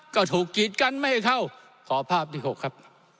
ก็ถูกกีดกันไม่ให้เข้าขอภาพที่๖ครับ